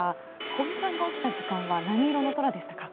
小木さんが起きた時間は何色の空でしたか？